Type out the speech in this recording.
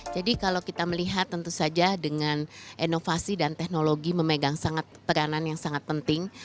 jadi kalau kita melihat tentu saja dengan inovasi dan teknologi memegang peranan yang sangat penting